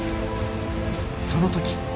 その時。